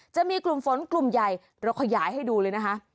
จะมีกลุ่มฝนกลุ่มใหญ่เราขยายให้ดูเลยนะคะ